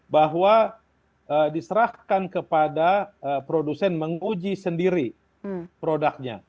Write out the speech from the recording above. bahwa diserahkan kepada produsen menguji sendiri produknya